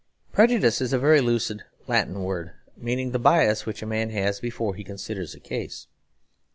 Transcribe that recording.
Prejudice is a very lucid Latin word meaning the bias which a man has before he considers a case.